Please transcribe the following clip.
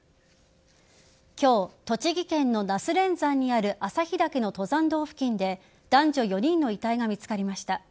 今日、栃木県の那須連山にある朝日岳の登山道付近で男女４人の遺体が見つかりました。